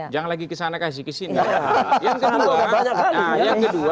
jangan lagi kesana kasih kesini